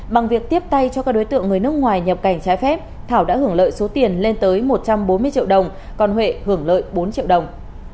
bằng việc tiếp tay cho các đối tượng người nước ngoài nhập cảnh trái phép thảo đã hưởng lợi số tiền lên tới một trăm bốn mươi triệu đồng còn huệ hưởng lợi bốn triệu đồng